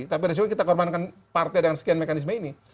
tapi dari situ kita korbankan partai dengan sekian mekanisme ini